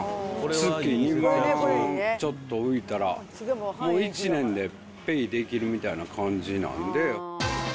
月２万ちょっと浮いたら、もう１年でペイできるみたいな感じなんで。